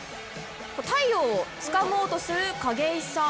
太陽をつかもうとする景井さん。